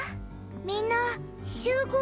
みんな集合。